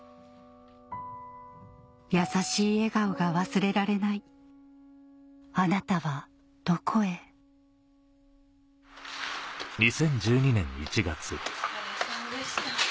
優しい笑顔が忘れられないあなたはどこへお疲れさんでした。